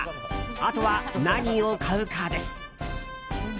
あとは何を買うかです。